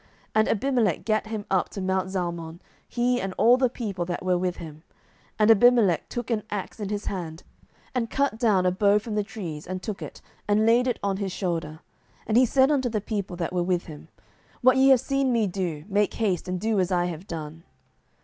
07:009:048 And Abimelech gat him up to mount Zalmon, he and all the people that were with him; and Abimelech took an axe in his hand, and cut down a bough from the trees, and took it, and laid it on his shoulder, and said unto the people that were with him, What ye have seen me do, make haste, and do as I have done.